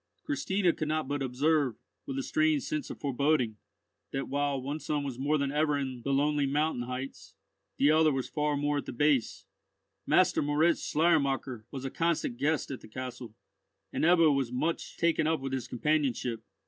Christina could not but observe, with a strange sense of foreboding, that, while one son was more than ever in the lonely mountain heights, the other was far more at the base. Master Moritz Schleiermacher was a constant guest at the castle, and Ebbo was much taken up with his companionship.